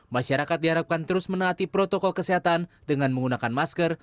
masyarakat diharapkan terus menaati protokol kesehatan dengan menggunakan masker